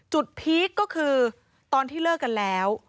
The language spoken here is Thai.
พีคก็คือตอนที่เลิกกันแล้ว